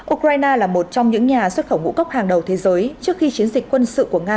ukraine là một trong những nhà xuất khẩu ngũ cốc hàng đầu thế giới trước khi chiến dịch quân sự của nga